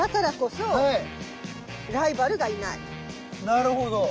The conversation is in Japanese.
なるほど。